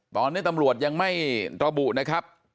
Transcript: ตอนนี้ตำรวจยังไม่ระบุนะครับ